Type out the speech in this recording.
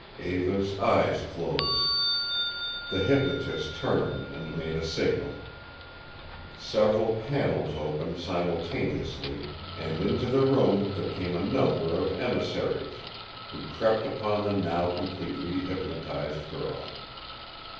Eva's eyes closed. The hypnotist turned and made a signal. Several panels opened simultaneously and into the room there came a number of emissaries, who crept upon the now completely hypnotized girl.